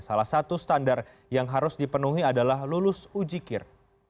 salah satu standar yang harus dipenuhi adalah lulus ujikir